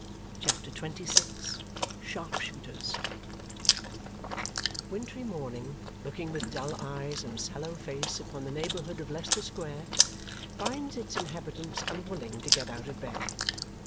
CHAPTER XXVI Sharpshooters Wintry morning, looking with dull eyes and sallow face upon the neighbourhood of Leicester Square, finds its inhabitants unwilling to get out of bed.